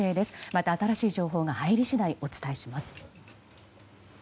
また新しい情報が入り次第お伝えします。